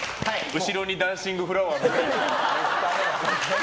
後ろにダンシングフラワーみたいな。